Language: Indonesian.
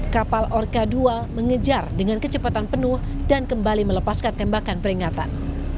kapal orka dua mengejar dengan kecepatan penuh dan kembali melepaskan tembakan peringatan